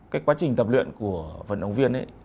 cái quá trình tập luyện của vận động viên ấy